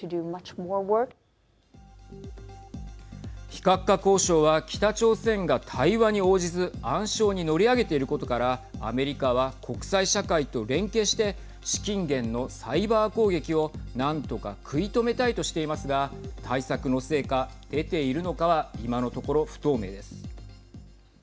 非核化交渉は北朝鮮が対話に応じず暗礁に乗り上げていることからアメリカは国際社会と連携して資金源のサイバー攻撃を何とか食い止めたいとしていますが対策の成果、出ているのかは今のところ不透明です。